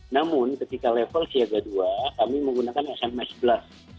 namun ketika level siaga dua kami menggunakan sms blast